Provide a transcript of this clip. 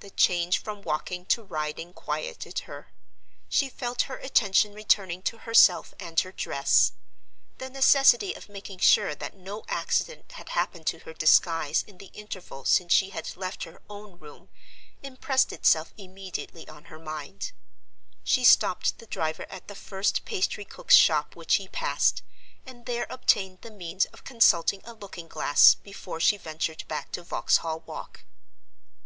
The change from walking to riding quieted her. She felt her attention returning to herself and her dress. The necessity of making sure that no accident had happened to her disguise in the interval since she had left her own room impressed itself immediately on her mind. She stopped the driver at the first pastry cook's shop which he passed, and there obtained the means of consulting a looking glass before she ventured back to Vauxhall Walk.